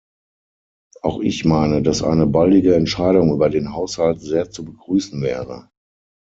Auch ich meine, dass eine baldige Entscheidung über den Haushalt sehr zu begrüßen wäre.